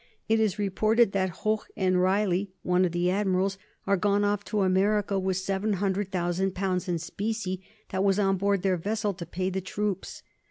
It is reported that Hoche and Reilly (one of the admirals) are gone off to America with seven hundred thousand pounds in specie that was on board their vessel to pay the troops.